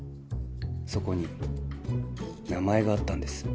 そこに名前があったんです